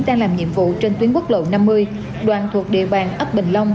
đang làm nhiệm vụ trên tuyến quốc lộ năm mươi đoàn thuộc địa bàn ấp bình long